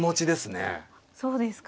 そうですか。